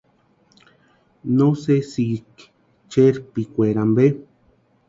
¿No sesisïnki cherpikwaeri ampe?